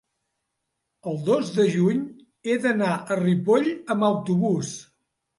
el dos de juny he d'anar a Ripoll amb autobús.